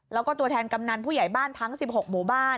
แล้วก็ตัวแทนกำนันผู้ใหญ่บ้านทั้ง๑๖หมู่บ้าน